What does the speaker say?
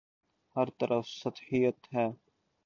ہر طرف سطحیت ہے۔